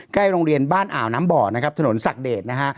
ใกล้โรงเรียนบ้านอ่าวน้ำบ่อถนนสักเดช